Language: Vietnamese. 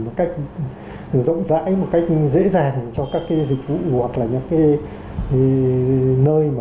một cách rộng rãi một cách dễ dàng cho các dịch vụ hoặc là những nơi